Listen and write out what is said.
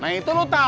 nah itu lu tau